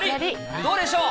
どうでしょう？